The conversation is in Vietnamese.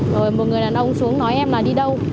rồi một người đàn ông xuống nói em là đi đâu